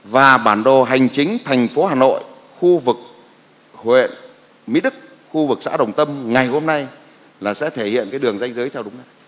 và bản đồ hành chính thành phố hà nội khu vực huyện mỹ đức khu vực xã đồng tâm ngày hôm nay là sẽ thể hiện cái đường danh giới theo đúng nay